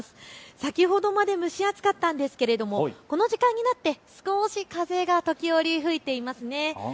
先ほどまで蒸し暑かったんですがこの時間になって少し風が時折吹いています。